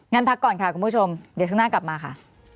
งั้นพักก่อนค่ะคุณผู้ชมเดี๋ยวช่วงหน้ากลับมาค่ะ